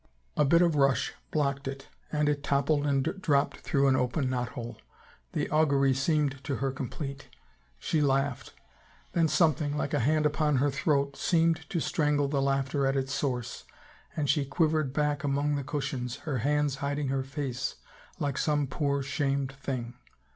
A bit of rush blocked it and it toppled and dropped through an open knot hole. The augury seemed to her complete. She laughed — and then something, like a hand upon her throat, seemed to strangle the laughter at its source and she quivered back among the cushions, her hands hiding her face like some poor shamed thing.